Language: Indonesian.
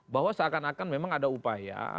bahwa seakan akan memang ada upaya